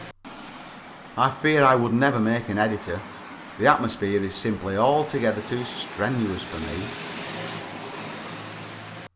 I fear I would never make an editor. The atmosphere is simply altogether too strenuous for me.